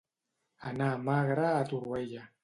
Anar magre a Torroella.